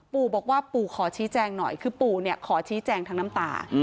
ปู่บอกว่าปู่ขอชี้แจงหน่อยคือปู่เนี่ยขอชี้แจงทั้งน้ำตา